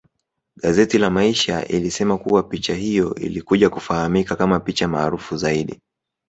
Gazeti la maisha ilisema kuwa picha hiyo ilikuja kufahamika kama picha maarufu zaidi